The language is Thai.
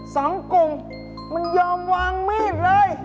สองกลุ่มมันยอมวางมีดเลย